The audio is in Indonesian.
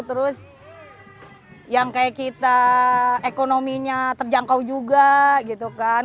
terus yang kayak kita ekonominya terjangkau juga gitu kan